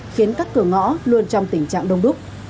khiến các cửa ngõ luôn trong tình trạng đông đúc